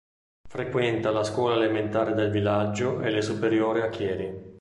Frequenta la scuola elementare del villaggio e le superiori a Chieri.